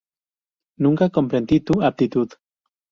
Nunca comprendí tu aptitud